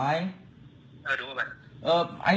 ờ đúng rồi bạn